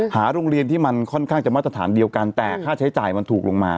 โรงเรียนที่มันค่อนข้างจะมาตรฐานเดียวกันแต่ค่าใช้จ่ายมันถูกลงมา